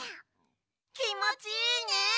きもちいいね！